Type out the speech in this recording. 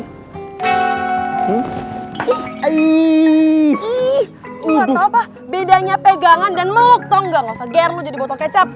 lo tau apa bedanya pegangan dan meluk tau gak gak usah ger lo jadi botol kecap